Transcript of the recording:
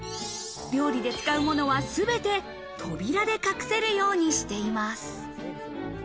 料理で使うものはすべて扉で隠せるようにしています。